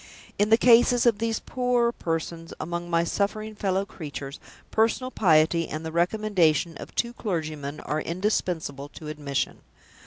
In the cases of these poorer persons among my suffering fellow creatures, personal piety and the recommendation of two clergymen are indispensable to admission.